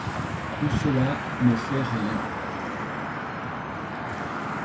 Tout cela ne fait rien.